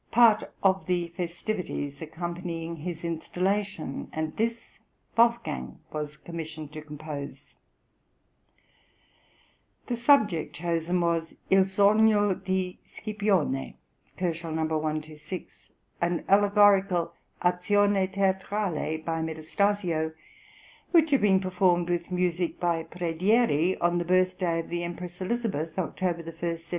} (139) part of the festivities accompanying his installation, and this Wolfgang was commissioned to compose. The subject chosen was "Il Sogno di Scipione" (126 K.), an allegorical azione teatrale, by Metastasio, which had been performed with music by Predieri on the birthday of the Empress Elizabeth, October 1, 1735.